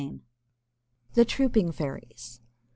THE TROOPING FAIRIES.